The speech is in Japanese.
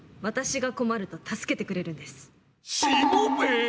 私が困ると助けてくれるんです。